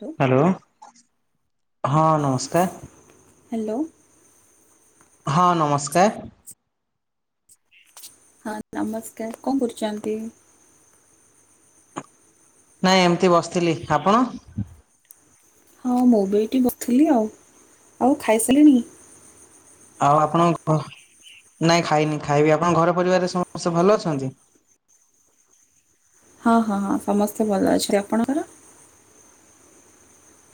Hello hello ହଁ ନମସ୍କାର। Hello. ହଁ ନମସ୍କାର। ହଁ ନମସ୍କାର। କଁ କରୁଚନ୍ତି? ନାଇଁ ଏମତି ବସିଥିଲି। ଆପଣ? ହଁ ମୁଁ ବି ଏଇଠି ବଥିଲି ଆଉ। ଆଉ ଖାଇସାଲେଣି? ଆଉ ଆପଣଙ୍କ ନାଇଁ ଖାଇନି ଖାଇବି, ଆପଣ ଘର ପରିବାରରେ ସମସ୍ତେ ଭଲ ଅଛନ୍ତି? ହଁ ହଁ ହଁ ସମସ୍ତେ ଭଲ ଅଛତି, ଆପଣଙ୍କର?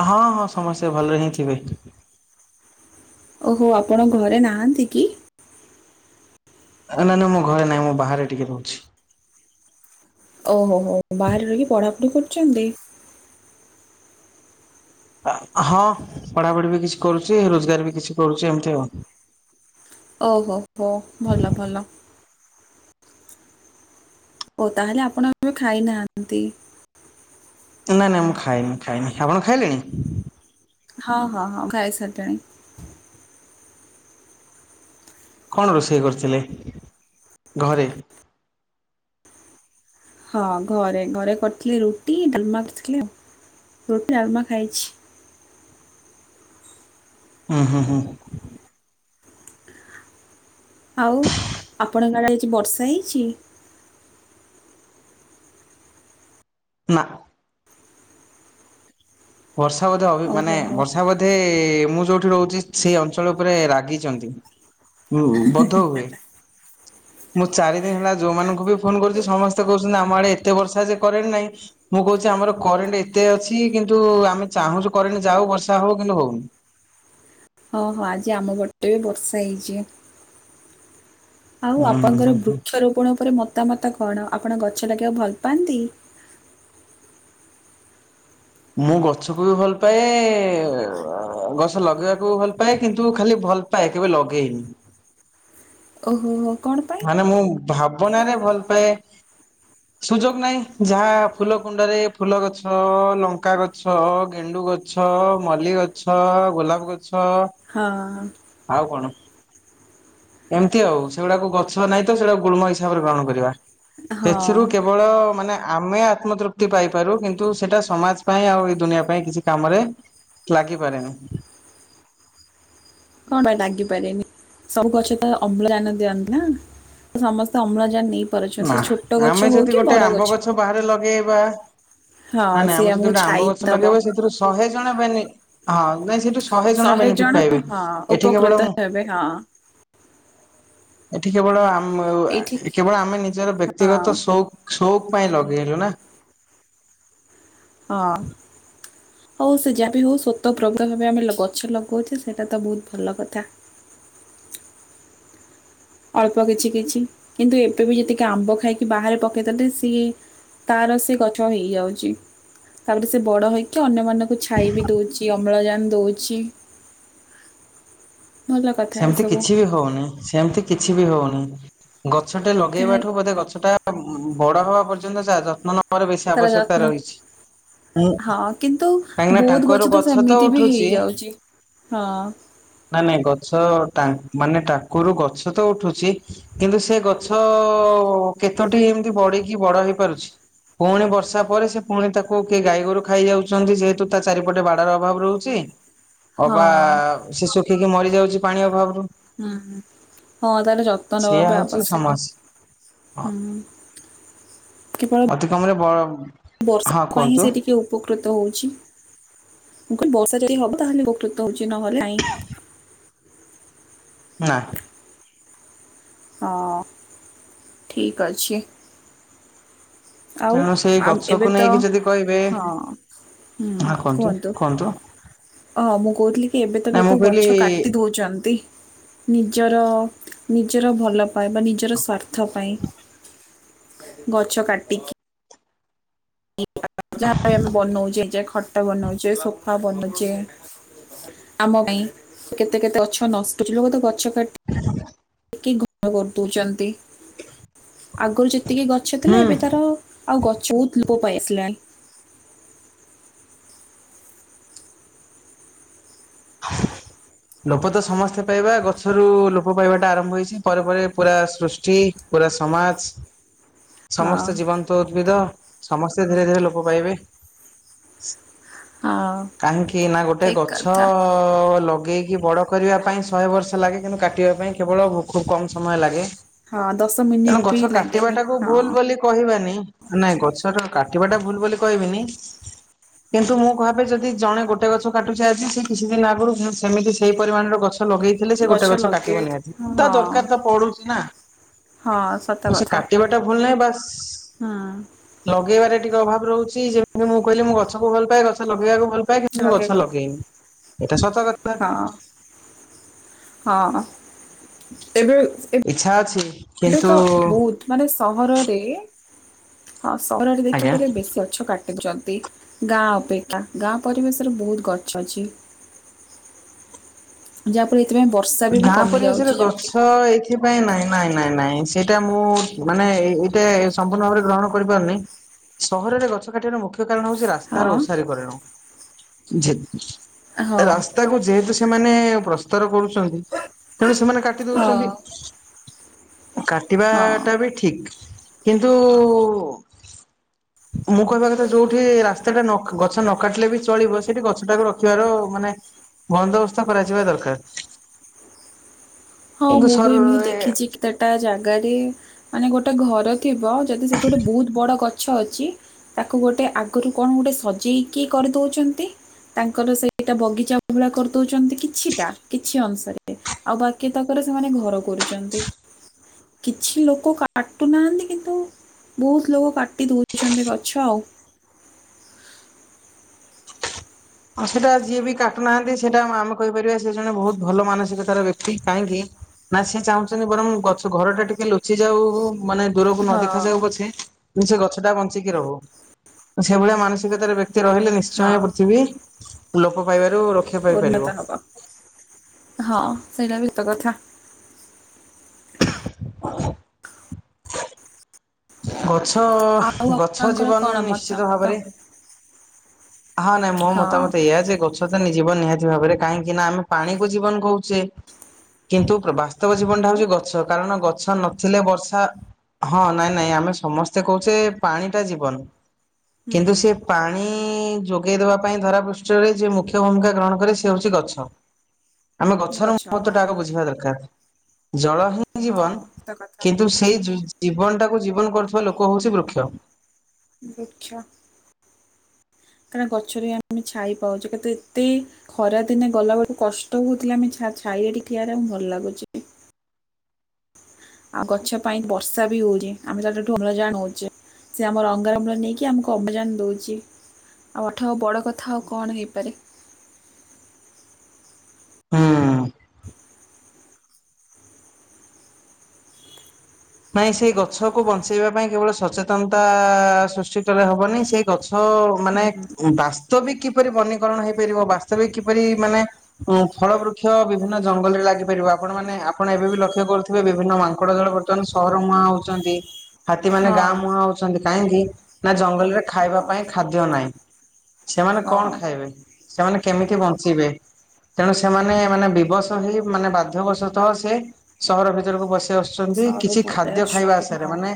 ହଁ ହଁ ସମସ୍ତେ ଭଲରେ ହିଁ ଥିବେ। ଓହୋ ଆପଣ ଘରେ ନାହାନ୍ତି କି? ଆ ନାଁ ନାଁ ମୁଁ ଘରେ ନାଇଁ ମୁଁ ବାହାରେ ଟିକେ ରହୁଛି। ଓହୋ ହୋ ବାହାରେ ରହିକି ପଢ଼ାପଢ଼ି କରୁଚନ୍ତି? ଅ ହଁ ପଢ଼ାପଢ଼ି ବି କିଛି କରୁଚି ରୋଜଗାର ବି କିଛି କରୁଚି ଏମତି ଆଉ। ଓହୋ ହୋ ଭଲ ଭଲ। ଓ ତାହେଲେ ଆପଣ ଏବେ ଖାଇନାହାନ୍ତି? ଏ ନାଇଁ ନାଇଁ ମୁଁ ଖାଇନି ଖାଇନି, ଆପଣ ଖାଇଲେଣି? ହଁ ହଁ ହଁ ଖାଇ ସାରଲିଣି। କଣ ରୋଷେଇ କରିଥିଲେ ଘରେ? ହଁ ଘରେ ଘରେ କରିଥିଲେ ରୁଟି ଡାଲମା କରିଥିଲେ ଆଉ ରୁଟି ଡାଲମା ଖାଇଛି। ଉଁ ହୁଁ ହୁଁ। ଆଉ ଆପଣଙ୍କ ଆଡ଼େ ଆଜି ବର୍ଷା ହେଇଛି? ନାଁ। ବର୍ଷା ବୋଧେ ଅଭି ମାନେ ଓହୋ ହୋ। ବର୍ଷା ବୋଧେ ମୁଁ ଯୋଉଠି ରହୁଚି ସେଇ ଅଞ୍ଚଳ ଓପରେ ରାଗିଚନ୍ତି। ଉ ବଧହୁଏ। ମୁଁ ଚାରି ଦିନ ହେଲା ଯୋଉମାନଙ୍କୁ ବି ଫୋନ୍ କରୁଚି ସମସ୍ତେ କହୁଛନ୍ତି ଆମ ଆଡ଼େ ଏତେ ବର୍ଷା ଯେ କରେଣ୍ଟ୍ ନାଇଁ। ମୁଁ କହୁଚି ଆମର କରେଣ୍ଟ ଏତେ ଅଛି କିନ୍ତୁ ଆମେ ଚାହୁଁଚୁ କରେଣ୍ଟ ଯାଉ ବର୍ଷା ହଉ କିନ୍ତୁ ହଉନି। ହଁ ହଁ ଆଜି ଆମ ପଟେ ବି ବର୍ଷା ହେଇଚି। ଆଉ ହୁଁ ହୁଁ ହୁଁ ଆପଣଙ୍କର ହୁଁ ବୃକ୍ଷ ରୋପଣ ଉପରେ ମତାମତ କଣ? ଆପଣ ଗଛ ଲଗେଇଆଉ ଭଲ ପାଆନ୍ତି? ମୁଁ ଗଛକୁ ବି ଭଲ ପାଏ ଗଛ ଲଗେଇବାକୁ ବି ଭଲ ପାଏ କିନ୍ତୁ ଖାଲି ଭଲ୍ ପାଏ କେବେ ଲଗେଇନି। ଓହୋ ହୋ କଣ ପା ମାନେ ମୁଁ ଭାବନାରେ ଭଲ ପାଏ। ହ [inaudible] ସୁଯୋଗ ନାଇଁ ଯାହା ଫୁଲ କୁଣ୍ଡରେ ଫୁଲ, ଗଛ ଲଙ୍କା ଗଛ, ଗେଣ୍ଡୁ ଗ ଛ ମଲ୍ଲି ଗଛ, ଗୋଲାପ ଗଛ ହଁ। ଆଉ କଣ ଏମତି ଆଉ ସେଉଡ଼ାକୁ ଗ ଛ ନାଇଁ ତ ସେଡ଼ାକୁ ଗୁଳ୍ମ ହିସାବରେ ଗ୍ରହଣ କରିବା ହଁ ଏଥିରୁ କେ ବଳ ମାନେ ଆମେ ଆତ୍ମତୃପ୍ତି ପାଇପାରୁ କିନ୍ତୁ ସେଟା ସମାଜ ପାଇଁ ଆଉ ଏଇ ଦୁନିଆ ପାଇଁ କିଛି କାମରେ ଲାଗିପାରେନି। କଣ ପାଇଁ ଲାଗିପାରନି, ସବୁ ଗଛ ତ ଅମ୍ଳଜାନ ଦିଅନ୍ତି ନାଁ? ସମସ୍ତେ ଅମ୍ଳଜାନ ନେଇ ଛୋଟ ନାଁ ଗଛ ଆମେ ହଉ ଯଦି କି ଗୋଟେ ବଡ ଆମ୍ବ ଗଛ ହଉ। ବାହାରେ ଲଗେଇବା ହଁ ନାଁ ନାଇଁ ସିଏ ଆମେ ଯଦି ଆମକୁ ଗୋଟେ ଛାଇ ଆମ୍ବ ଗଛ ଦବ। ଲଗେଇବା ସେଇଥିରୁ ଶହେ ଜଣ ବେନି ହଁ ନାଇଁ ସେଇଠୁ ଶହେ ଜଣ ବେନିଫିଟ ପାଇବେ। ଏଠି କେବଳ ମୁଁ ତେବେ ହଁ ଏଠି କେବଳ ଆମ ଏଇଠି କେବଳ ଆମେ ନିଜର ହଁ ବ୍ୟକ୍ତିଗତ ସଉକ ସଉକ୍ ପାଇଁ ଲଗେଇଲୁ ନା। ହଁ। ହଉ ସେ ଯାହା ବି ହଉ ସ୍ୱତ ପ୍ରଭତ ଭାବେ ଆମେ ଗଛ ଲଗାଉଛେ ସେଇଟା ତ ବହୁତ ଭଲ କଥା। ଅଳ୍ପ କିଛି କିଛି କିନ୍ତୁ ଏବେ ବି ଯେତିକି ଆମ୍ବ ଖାଇକି ବାହାରେ ପକାଇଦେଲେ ସିଏ ତାର ସେ ଗଛ ହେଇଯାଉଛି। ତାପରେ ସେ ବଡ଼ ହେଇକି ଅନ୍ୟମାନଙ୍କୁ ଛାଇ ବି ଦଉଛି। ଅମ୍ଳଜାନ ଦଉଛି। କଥା ସେମତି ଏସବୁ କିଛି ବି ହଉନି ସେମତି କିଛି ବି ହଉନି ଗଛଟେ ଲଗେଇବା କାହିଁ ଠୁ ବୋଧେ ଗଛଟା ବଡ ହବା ପର୍ଯ୍ୟନ୍ତ ଯାହା ଯତ୍ନ ନେବାର ବେଶୀ ତାର ଆବଶ୍ୟକତା ଯତ୍ନ ରହିଛି। ମୁଁ ହଁ କିନ୍ତୁ ବହୁତ ଗଛ ତ ସେମିତି ବି ହେଇଯାଉଛି ହଁ। ନାଇଁ ନାଇଁ ଗଛ ଟା ମାନେ ଟାକୁରୁ ଗଛ ତ ଉଠୁଛି କିନ୍ତୁ ସେ ଗଛ କେତୋଟି ଏମିତି ବଢିକି ବଡ ହେଇପାରୁଛି? ପୁଣି ବର୍ଷା ପରେ ସେ ପୁଣି ତାକୁ କିଏ ଗାଈ ଗୋରୁ ଖାଇ ଯାଉଛନ୍ତି ଯେହେତୁ ତା ଚାରିପଟେ ବାଡ ର ଅଭାବ ରହୁଛି। ହଁ ଅବା ସେ ଶୁଖିକି ମରି ଯାଉଛି ପାଣି ଅଭାବରୁ। ହୁଁ ହୁଁ। ହଁ ତାହଲେ ସେଇଆ ଯତ୍ନବାବେ ହଉଛି ଆବଶ୍ୟକ। ସମସ୍ୟା। ହୁଁ। କେବଳ ତମର ବ ବର୍ଷା ହଁ ପାଇଁ ହିଁ କୁହନ୍ତୁ ସେ ଟିକେ ଉ ଉପକୃତ ହଉଛି। ବର୍ଷା ଯଦି ହବ ତାହେଲେ ଉପକୃତ ହଉଛି ନହେଲେ ନାଇ। ନାଁ। ହଁ ଠିକ୍ ଅଛି। ଆଉ ତେଣୁ ସେଇ ଆ ଏବେ ଗଛକୁ ତ ନେଇକି ଯଦି କହିବେ ହଁ। ହୁଁ କୁହନ୍ତୁ? ହଁ ମୁଁ କହୁଥିଲି କି ଏବେ ତ ନା ମୁଁ ଲୋକ କହିଲି ଗଛ କାଟି ଦଉଛନ୍ତି? ନିଜର ନିଜର ଭଲ ପାଏବା ନିଜର ସ୍ୱା ର୍ଥ ପାଇଁ ଗଛ କାଟିକି ଯାହା ଆମେ ବନଉଛେ ଖଟ ବନଉଛେ ସୋଫା ବନଉଛେ ଆମ ପାଇଁ କେତେ କେତେ ଗଛ ନ କିଛି ଲୋକ ତ ଗଛ କାଟିି ଘର କରିଦଉଛନ୍ତି। ଆଗରୁ ଯେତିକି ଗଛ ଥିଲା ହୁଁ ଏବେ ତାର ଆଉ ଗଛ ବହୁତ ଲୋପ ପାଇ ଆସିଲାଣି। ଲୋପ ତ ସମସ୍ତେ ପାଇବା ଗଛରୁ ଲୋପ ପାଇବାଟା ଆରମ୍ଭ ହେଇଛି। ପରେ ପରେ ପୁରା ସୃଷ୍ଟି ପୁରା ସମାଜ ହଁ ସମସ୍ତେ ଜୀବନ୍ତ ଉଦ୍ଭିଦ ସମସ୍ତେ ଧୀରେ ଧୀରେ ଲୋପ ପାଇବେ। ହଁ କାହିଁକି ନା ଗୋଟେ ଠିକ ଗଛ କଥା ଅ ଲଗେଇକି ବଡ କରିବା ପାଇଁ ଶହେ ବର୍ଷ ଲାଗେ। କିନ୍ତୁ କାଟିବା ପାଇଁ କେବଳ ଖୁବ କମ ସମୟ ଲାଗେ। ହଁ ଦଶ ତେଣୁ ମିନିଟ ବି ଗଛ କାଟିବା ଲାଗେନି ଟାକୁ ହଁ ଭୁଲ ବୋଲି କହିବାନି। ନାଇଁ ଗଛଟ କାଟିବାଟା ଭୁଲ ବୋଲି କହିବିନି କିନ୍ତୁ ମୁଁ କହିବି ଯଦି ଜଣେ ଗୋଟେ ଗଛ କାଟୁଛି ଆଜି ସେ କିଛି ଦିନ ଆଗରୁ ସେମିତି ସେଇ ପରିମାଣର ଗଛ ଲଗେଇ ହେଲେ ସେ ଗୋଟେ ଗଛ କାଟିବ ନିହାତି। ତା ହଁ ଦରକାର ତ ପଡୁଛି ନା। ହଁ ସତ ତ ସେ କଥା କାଟିବାଟା ଭୁଲ ନାହିଁ। ବାସ୍ ହୁଁ ଲଗେଇବାରେ ଟିକେ ଅଭାବ ରହୁଛି। ଯେମିତି ମୁଁ କହିଲି ମୁଁ ଗଛକୁ ଭଲ ପାଏ। ଗଛ ଲଗେଇବାକୁ [unintelligible] ଗଛ ଲଗେଇକୁ ଲଗେଇନି ଏଟା ସତ କଥା। ହଁ ହଁ ଏବେବି ଏ ଇଚ୍ଛା ଅଛି। ଏବେ କିନ୍ତୁ ତ ବହୁତ ମାନେ ସହରରେ ହଁ ସହରରେ ଯେତୁ ଆଜ୍ଞା କଲେ ବେଶୀ ଅଛ କାଟ ଦେଖୁଛନ୍ତି ଗାଁ ଅପେକ୍ଷା ଗାଁ ପରିବେଶରେ ବହୁତ ଗଛ ଅଛି। ଯାହାପରେ ଏଥିପାଇଁ ବର୍ଷା ବି କମି ଯାଉଛି। ଯେମତି ସେଥିପାଇଁ ନାଇଁ ନାଇଁ ନାଇଁ ନାଇଁ ସେଇଟା ମୁଁ ମାନେ ଏଇଟା ସମ୍ପୂର୍ଣ ଭାବରେ ଗ୍ରହଣ କରିପାରୁନି। ସହରରେ ଗଛ କାଟିବାର ମୁଖ୍ୟ କାରଣ ହଉଛି ରାସ୍ତାରେ ହଁ ଓସାରି କରେଣ ହଁ ଯେତ ରା ତାକୁ ଯେହେତୁ ସେମାନେ ପ୍ରସ୍ତର କରୁଛନ୍ତି ତେଣୁ ସେମାନେ କାଟି ହଁ ଦଉଛନ୍ତି। ହଁ କାଟିବାଟା ବି ଠିକ। କିନ୍ତୁ ମୁଁ କହିବା କଥା ଯୋଉଠି ରାସ୍ତା ଟା ଗଛ ନ କାଟିଲେ ବି ଚଳିବ। ସେଠି ଗଛ ଟାକୁ ରଖିବାର ମାନେ ବନ୍ଦବସ୍ଥା କରାଯିବା ଦରକାର। ହଁ କିନ୍ତୁ ମୁଁ ବି ଏମିତି ସର ଦେଖିଛି। କି ତା ଗୋଟା ଜାଗାରେ ମାନେ ଗୋଟେ ଘର ଥିବ ଯଦି ସେଠି ଗୋଟେ ବହୁତ ବଡ଼ ଗଛ ଅଛି। ତାକୁ ଗୋଟେ ଆଗରୁ କଣ ଗୋଟେ ସଜେଇକି କରି ଦେଉଛନ୍ତି। ତାଙ୍କର ସେଇଟା ବଗିଚା ଭଳିଆ କରି ଦଉଛନ୍ତି। କିଛିଟା କିଛି ଅଂଶରେ। ଆଉ ବାକି କ ସେମାନେ ଘର କରୁଛନ୍ତି। କିଛି ଲୋକ କାଟୁ ନାହାନ୍ତି କିନ୍ତୁ ବହୁତ ଲୋକ କାଟି ଦେଉଛନ୍ତି ଗଛ ଆଉ। ଉ ସେଇଟା ଯିଏ ବି କାଟୁନାହାନ୍ତି ସେଇଟା ଆମେ କହିପାରିବା ସେ ଜଣେ ବହୁତ ଭଲ ମାନସିକତାର ବ୍ୟକ୍ତି। କାହିଁକି ନା ସେ ଚାହୁଁଛନ୍ତି ବରଂ ଗଛ ଘର ଟା ଟିକେ ଲୁଚି ଯାଉ ମାନେ ଦୂରକୁ ନ ହଁ ଦେଖାଯାଉ ପଛେ ସେ ଗଛ ଟା ବଞ୍ଚିକି ରହୁ। ସେଭଳିଆ ମାନସିକତାର ବ୍ୟକ୍ତି ରହିଲେ ହଁ ନିଶ୍ଚୟ ପୃଥିବୀ ଲୋପ ପାଇବାରୁ ରକ୍ଷା ଉନ୍ନତ ପାଇପାରିବ। ହବ ହଁ ସେଇଟା ଭିତ କଥା। ହ ଗଛ ଆଉ ଗଛ ଆପଣଙ୍କର କଣ ଜୀବନ ନିଶ୍ଚିତ ମତାମତ ଭାବରେ। ହଁ ନାଇଁ ମୋ ହଁ ମତା ମତ ଏଇଆ ଯେ ଗଛ ଜୀବ ନିହାତି ଭାବରେ କାହିଁକି ନା ଆମେ ପାଣିକୁ ଜୀବନ କହୁଛେ। କିନ୍ତୁ ବା ବାସ୍ତବ ଜୀବନଟା ହ୍ୟାଲୋ ହଉଛି ଗଛ। କାରଣ ଗଛ ନଥିଲେ ବର୍ଷା ହଁ ନାଇଁ ନାଇଁ ଆମେ ସମସ୍ତେ କହୁଛେ ପାଣି ଟା ଜୀବନ। କିନ୍ତୁ ହୁଁ ସେ ପାଣି ଯୋଗାଇ ଦେବା ପାଇଁ ଧରାପୃଷ୍ଠରେ ଯେ ମୁଖ୍ୟ ଭୂମିକା ଗ୍ରହଣ କରେ ସେ ହେଉଛି ଗଛ। ହ ଆମେ ଗଛର ମହତ୍ୱ ଟା ଆଗ ବୁଝିବା ଦରକାର। ଜଳ ହିଁ ହଁ ଜୀବନ ସତ କଥା କିନ୍ତୁ ସେଇ ଜୀ-ଜୀ-ଜୀବନଟାକୁ ଜୀବନ କରୁଥିବା ଲୋକ ହଉଛି ବୃକ୍ଷ। ବୃକ୍ଷ କାରଣ ଗଛରେ ଆମେ ଛାଇ ପାଉଛେ। କିନ୍ତୁ ଏତେ ଖରା ଦିନେ ଗଲାବେଳୁ କଷ୍ଟ ହଉଥିଲା। ଆମେ ଛା-ଛାଇଆ ଟି ଠିଆରେ ଆ ଭଲ ଲାଗୁଛି। ଆଉ ଗଛ ପାଇଁ ବର୍ଷା ବି ହଉଛି। ଆମେ ତାଠୁ ଅମ୍ଳଜା ନଉଛେ। ସେ ଆମର ଅଙ୍ଗାରମ୍ଳ ନେଇକି ଆମକୁ ଅବଜାନ ଦଉଛି। ଆଉ ଆଠ ଆ ବଡ଼ କଥା ଆଉ କଣ ହେଇପାରେ। ହୁଁ। ନାଇଁ ସେ ଗଛକୁ ବଞ୍ଚେଇବା ପାଇଁ କେବଳ ସଚେତନତା ସୃଷ୍ କଲେ ହବନି ସେ ଗଛ ମାନେ ହୁଁ ବାସ୍ତବିକ କିପରି ବନୀକରଣ ହେଇପାରିବ ବାସ୍ତବିକ କିପରି ମାନେ ଉ ଫଳ ବୃକ୍ଷ ବିଭିନ୍ନ ଜଙ୍ଗଲରେ ଲାଗିପାରିବ ଆପଣ ମାନେ ଆପଣ ଏବେ ବି ଲକ୍ଷ୍ୟ କରୁଥିବେ ବିଭିନ୍ନ ମାଙ୍କଡ଼ ଜଳ ବର୍ତ୍ତମାନ ସହର ମୁହାଁ ହଉଛନ୍ତି ହାତୀ ମାନେ ହଁ ଗାଁ ମୁହାଁ ହଉଛନ୍ତି। କାହିଁକି ନା ଜଙ୍ଗଲରେ ଖାଇବା ହଁ ପାଇଁ ଖାଦ୍ୟ ନାହିଁ? ସେମାନେ ହଁ କଣ ଖାଇବେ ସେମାନେ କେମିତି ବଞ୍ଚିବେ? ତେଣୁ ସେମାନେ ମାନେ ବିବସ ହେଇ ମାନେ ବାଧ୍ୟବଶତଃ ସେ ସହର ଭିତରକୁ ପଶିଆସୁ ସେମିତି ସରୁ କିଛି ପଳେଇ ଖାଦ୍ୟ ଖାଇବା ଆସୁଛନ୍ତି ଆସାରେ ହଁ ମାନେ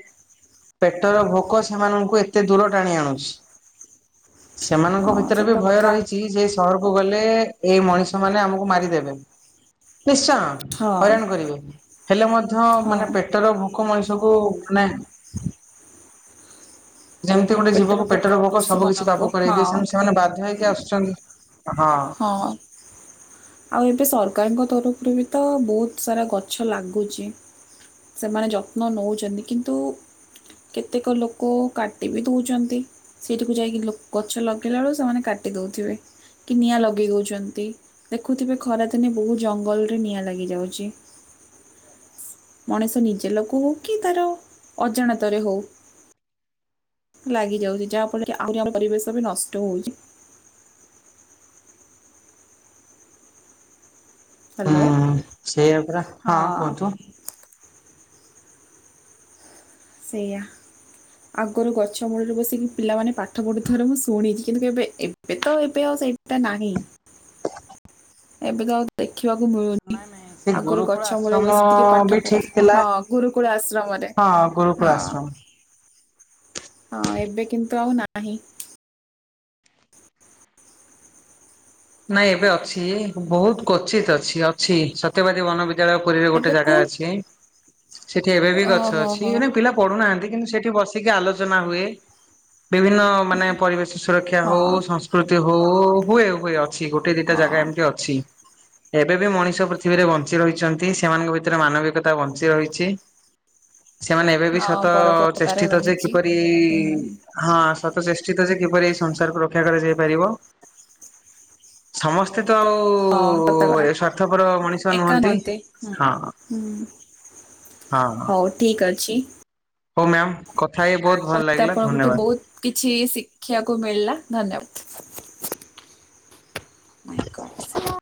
ପେଟର ଭୋକ ସେମାନଙ୍କୁ ଏତେ ଦୂର ଟାଣି ଆଣୁଛି। ସେମାନଙ୍କ ହଁ ଭିତରେ ବି ସତ ଭୟ କଥା ରହିଛି। ସେ ସହରକୁ ଗଲେ ଏଇ ମଣିଷ ମାନେ ଆମକୁ ମାରିଦେବେ ନିଶ୍ଚୟ। ହଁ ହଇରାଣ କରିବେ ହେଲେ ମଧ୍ୟ ମାନେ ହଁ ପେଟର ଭୋକ ମଣିଷକୁ ମାନେ ଯେମିତି ଗୋଟେ ପେଟରେ ଜୀବକୁ ପେଟର ଭୋକ ସବୁ କିିଛି ପଶୁମାନଙ୍କୁ କାବୁ କରେଇ ହଁ ଦିଏ ସେମତି ସେମାନେ ବାଧ୍ୟ ହେଇକି ଆସୁଛନ୍ତି। ହଁ। ଆଉ ଏବେ ସରକାରଙ୍କ ତରଫରୁ ବି ତ ବହୁତ ସାରା ଗଛ ଲାଗୁଛି। ସେମାନେ ଯତ୍ନ ନେଉଛନ୍ତି କିନ୍ତୁ କେତେକ ଲୋକ କାଟି ବି ଦେଉଛନ୍ତି। ସେଇଠିକୁ ଯାଇକି ଗଛ ଲଗେଇଲା ବେଳକୁ ସେମାନେ କାଟି ଦେଉଥିବେ। କି ନିଆଁ ଲଗାଇ ଦେଉଛନ୍ତି ଦେଖୁଥିବେ ଖରାଦିନେ ବହୁତ ଜଙ୍ଗଲରେ ନିଆଁ ଲାଗିଯାଉଛି। ମଣିଷ ନିଜେ ଲଗାଉ କି ତାର ଅଜାଣତରେ ହେଉ? ଲାଗି ଯାଉଛି ଯାହାଫଳରେ ଆହୁରି ଆମ ପରିବେଶ ବି ନଷ୍ଟ ହଉଛି। ହ୍ୟାଲୋ ହୁଁ ସେଇଆ ପରା ହଁ କୁହନ୍ତୁ। ସେଇଆ ଆଗରୁ ଗଛ ମୂଳରେ ବସିକି ପିଲାମାନେ ପା ପାଠ ପଢ଼ୁଥିବାର ମୁଁ ଶୁଣିଛି କିନ୍ତୁ ଏବେ ଏବେ ତ ଏବେ ଆଉ ସେଇଟା ନାହିଁ। ଏବେ ତ ଆଉ ଦେଖିବାକୁ ମିଳୁନି ନାଇଁ ନାଇଁ ସେ ଆଗରୁ ଗୁରୁକୁଳ ଗଛ ମୂଳେ ଆଶ୍ରମ ବସିକି ବି ପାଠ ପଢୁ ଠିକ ଥିଲା ହଁ ଗୁରୁକୁଳ ଆଶ୍ରମରେ। ହଁ ହଁ ଗୁରୁକୁଳ ଆଶ୍ରମ। ହଁ ଏବେ କିନ୍ତୁ ଆଉ ନାହିଁ ନାଇଁ ଏବେ ଅଛି ବହୁତ କ୍ଵଚିତ ଅଛି ଅଛି ସତ୍ୟବାଦୀ ବନବିଦ୍ୟାଳୟ। ପୁରୀରେ ଗୋଟେ ଏବେ ଜାଗା କୋଉ ଅଛି ସେଠି ଏବେ ବି ଗଛ ଓହୋ ଅଛି ହୋ ଏବେ ପିଲା ପଢୁନାହାନ୍ତି କିନ୍ତୁ ସେଠି ବସିକି ଆଲୋଚନା ହୁଏ। ବିଭିନ୍ନ ମାନେ ପରିବେଶ ସୁରକ୍ଷା ହଉ ହଁ ସଂସ୍କୃତି ହଉ ହୁଏ ହୁଏ। ଅଛି ଗୋଟେ ଦିଟା ଜାଗା ହଁ ଏମିତି ଅଛି। ଏବେ ବି ମଣିଷ ପୃଥିବୀରେ ବଞ୍ଚି ରହିଛନ୍ତି ସେମାନଙ୍କ ଭିତରେ ମାନବିକତା ବଞ୍ଚି ରହିଛି। ସେମାନେ ଏବେ ବି ହଁ ସତ ପରୋପକାର ଚେଷ୍ଟିତ ଯେ ରହିଛି କିପରି ହୁଁ ହଁ ସତ ଚେଷ୍ଟିତ ଯେ କିପରି ଏଇ ସଂସାରକୁ ରକ୍ଷା କରାଯାଇ ପାରିବ। ସମସ୍ତେ ତ ଆଉ ହଁ ସତ କଥା ଏ ସ୍ଵାର୍ଥପର ମଣିଷ ଏକା ନୁହନ୍ତି ହୁଁ ହଁ। ହୁଁ ହଁ ହଁ। ହଉ ଠିକ୍ ଅଛି। ହଉ ମ୍ୟାମ କଥା ହେଇ ବହୁତ ଭଲ ମତେ ଲାଗିଲା ଆପଣଙ୍କଠୁ ଧନ୍ୟବାଦ। ବହୁତ କିଛି ଶିଖିବାକୁ ମିଳିଲା ଧନ୍ୟବାଦ। ମାଇକସ